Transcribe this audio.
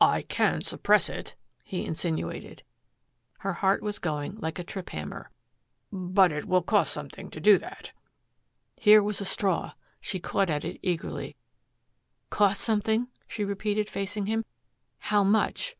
"I can suppress it," he insinuated. Her heart was going like a trip hammer. "But it will cost something to do that." Here was a straw she caught at it eagerly. "Cost something?" she repeated, facing him. "How much?"